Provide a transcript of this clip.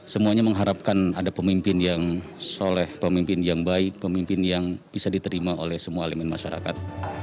semuanya mengharapkan ada pemimpin yang soleh pemimpin yang baik pemimpin yang bisa diterima oleh semua elemen masyarakat